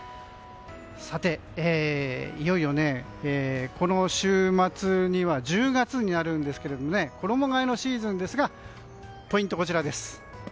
さて、いよいよ、この週末には１０月になるんですが衣替えのシーズンですがポイントはこちら。